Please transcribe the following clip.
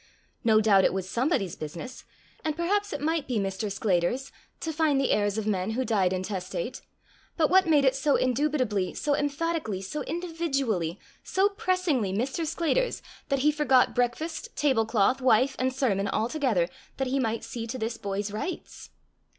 No doubt it was somebody's business, and perhaps it might be Mr. Sclater's, to find the heirs of men who died intestate; but what made it so indubitably, so emphatically, so individually, so pressingly Mr. Sclater's, that he forgot breakfast, tablecloth, wife, and sermon, all together, that he might see to this boy's rights?